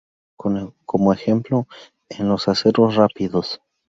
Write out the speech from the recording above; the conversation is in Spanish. Como ejemplo en los aceros rápidos.